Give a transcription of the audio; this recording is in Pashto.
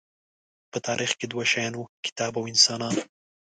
په تاریخ کې دوه شیان وو، کتاب او انسانان.